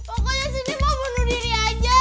pokoknya sini mau bunuh diri aja